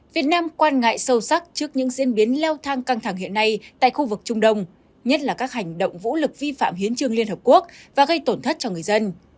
việt nam quan ngại sâu sắc trước những diễn biến leo thang căng thẳng hiện nay tại khu vực trung đông nhất là các hành động vũ lực vi phạm hiến trương liên hợp quốc và gây tổn thất cho người dân